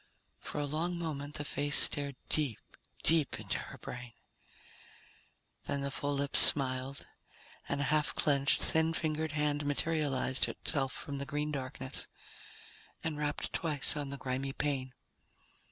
For a long moment the face stared deep, deep into her brain. Then the full lips smiled and a half clenched, thin fingered hand materialized itself from the green darkness and rapped twice on the grimy pane.